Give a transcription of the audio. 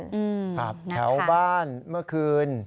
ครับแถวบ้านเมื่อคืน